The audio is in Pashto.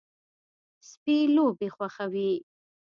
سپي لوبې خوښوي.